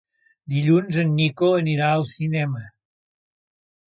Dilluns en Nico anirà al cinema.